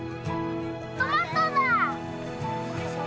トマトだ！